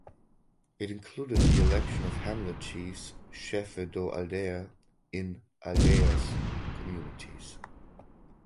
It included the election of Hamlet Chiefs ("Chefe do Aldeia") in "aldeias" (communities).